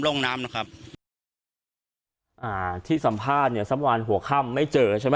ลงน้ำนะครับอ่าที่สัมภาษณ์เนี่ยสักวันหัวค่ำไม่เจอใช่ไหม